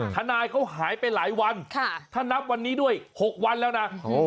ทนายเขาหายไปหลายวันถ้านับวันนี้ด้วย๖วันแล้วนะ